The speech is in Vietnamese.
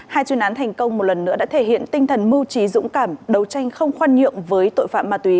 hai chuyên án thành công một lần nữa đã thể hiện tinh thần mưu trí dũng cảm đấu tranh không khoan nhượng với tội phạm ma túy